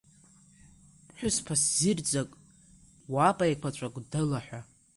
Ԥҳәызба ссирӡак уапа еиқәаҵәак дылаҳәа…